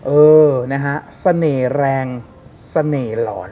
เออนะฮะสเนรแรงสเนหลอน